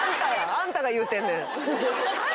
あんたが言うてんねん高！